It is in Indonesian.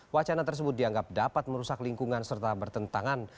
wacana tersebut dianggap dapat merusak lingkungan serta bertentangan